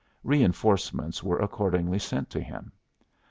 Reinforcements were accordingly sent to him.